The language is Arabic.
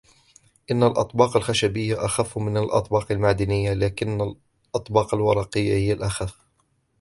إن الأطباق الخشبية أخف من الأطباق المعدنية ، لكن الأطباق الورقية هي الأخف